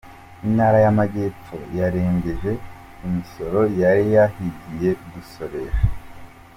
Intara y’Amajyepfo yarengeje imisoro yari yahigiye gusoresha